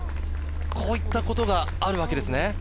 こういったことがあるわけですね。